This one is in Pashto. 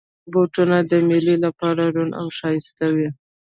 بوټونه د مېلې لپاره روڼ او ښایسته وي.